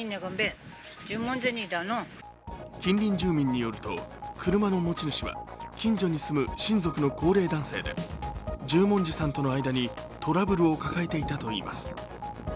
近隣住民によると、車の持ち主は近所に住む親族の高齢男性で、十文字さんとの間にトラブルを抱えていたといいます。